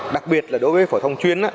đặc biệt là đối với phổ thông chuyên